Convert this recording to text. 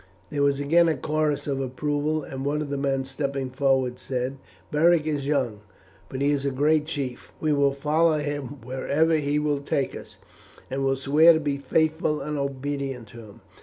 There was again a chorus of approval, and one of the men stepping forward said, "Beric is young, but he is a great chief. We will follow him wherever he will take us, and will swear to be faithful and obedient to him."